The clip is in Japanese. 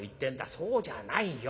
そうじゃないよ。